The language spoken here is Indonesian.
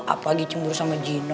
apa lagi cemburu sama jino